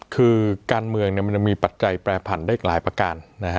คือการเมืองมันยังมีปัจจัยแปรผันได้อีกหลายประการ